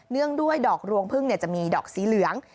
งด้วยดอกรวงพึ่งจะมีดอกสีเหลือง